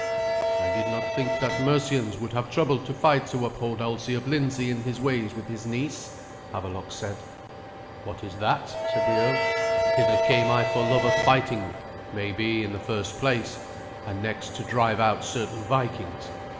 "I did not think that Mercians would have troubled to fight to uphold Alsi of Lindsey in his ways with his niece," Havelok said. "What is that?" said the earl. "Hither came I for love of fighting, maybe, in the first place; and next to drive out certain Vikings.